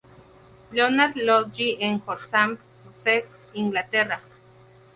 Leonard Lodge en Horsham, Sussex, Inglaterra.